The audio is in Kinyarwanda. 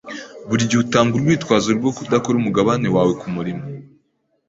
Buri gihe utanga urwitwazo rwo kudakora umugabane wawe kumurimo.